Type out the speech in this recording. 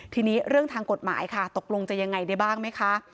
ทีนี้เรื่องทางกฎหมายค่ะตกลงจะยังไงได้บ้างไหมคะ